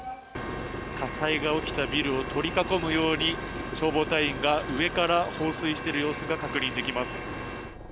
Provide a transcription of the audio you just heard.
火災が起きたビルを取り囲むように消防隊員が上から放水している様子が確認できます。